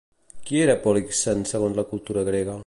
Qui era Polixen segons la cultura grega?